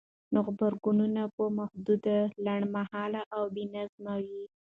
نو غبرګون به محدود، لنډمهالی او بېنظمه وای؛